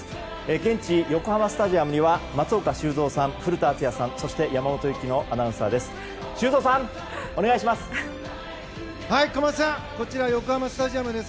現地、横浜スタジアムには松岡修造さん、古田敦也さん山本雪乃アナウンサーです。